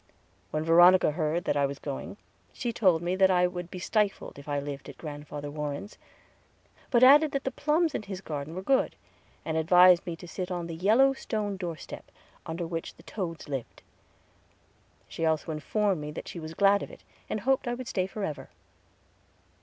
When Veronica heard that I was going, she told me that I would be stifled, if I lived at Grandfather Warren's; but added that the plums in his garden were good, and advised me to sit on the yellow stone doorstep, under which the toads lived. She also informed me that she was glad of it, and hoped I would stay forever.